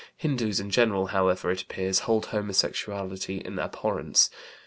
Hindus, in general, however, it appears, hold homosexuality in abhorrence.